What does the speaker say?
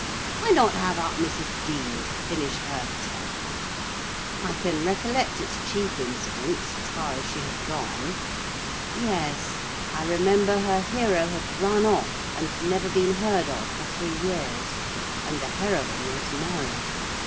Why not have up Mrs. Dean to finish her tale? I can recollect its chief incidents, as far as she had gone. Yes: I remember her hero had run off, and never been heard of for three years; and the heroine was married.